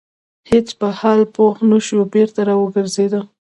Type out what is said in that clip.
هیڅ په حال پوه نه شو بېرته را وګرځيده.